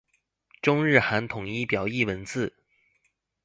中日韩统一表意文字。